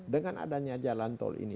dengan adanya jalan tol ini